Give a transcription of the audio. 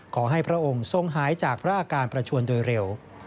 พระองค์ทรงหายจากพระอาการประชวนโดยเร็ว